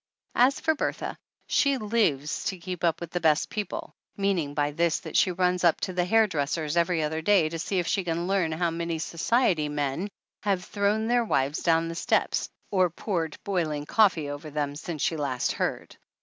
As for Bertha she lives to keep up with the "best people," meaning by this that she runs up to the hairdresser's every other day to see if she can learn how many "society men" have thrown their wives down the steps or poured boiling coffee over them since she last heard.